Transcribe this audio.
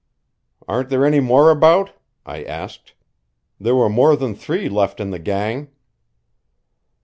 "Aren't there any more about?" I asked. "There were more than three left in the gang."